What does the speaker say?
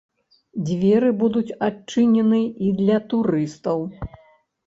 Дзверы будуць адчынены і для турыстаў.